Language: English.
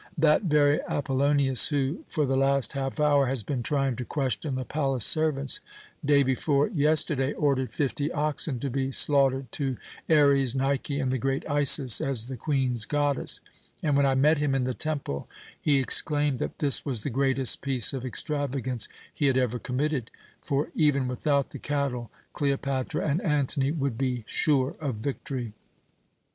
That very Apollonius who, for the last half hour, has been trying to question the palace servants, day before yesterday ordered fifty oxen to be slaughtered to Ares, Nike, and the great Isis, as the Queen's goddess, and when I met him in the temple he exclaimed that this was the greatest piece of extravagance he had ever committed; for even without the cattle Cleopatra and Antony would be sure of victory.